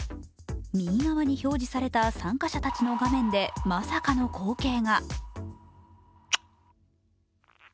右側に表示された参加者たちの画面で、まさかの光景が。